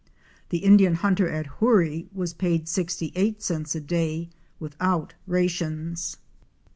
The Indian hunter at Hoorie was paid sixty eight cents a day without rations.